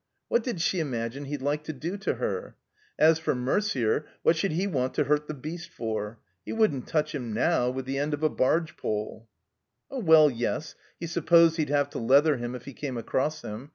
What did she imagine he'd like to do to her ? As for Mercier, what should he want to hurt the beast for? He wouldn't touch him — now — ^with the end of a barge pole. Oh, well, yes, he supposed he'd have to leather him if he came across him.